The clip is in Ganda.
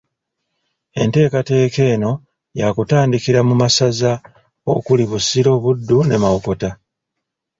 Enteekateeka eno yakutandikira mu masaza okuli Busiro, Buddu ne Mawokota